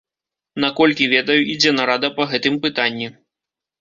Наколькі ведаю, ідзе нарада па гэтым пытанні.